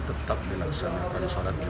tetap dilaksanakan salat idul adha dan ibadah